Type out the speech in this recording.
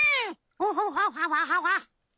アホホホハワハワ。